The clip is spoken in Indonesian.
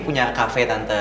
punya cafe tante